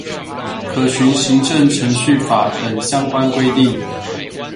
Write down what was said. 可循行政程序法等相關規定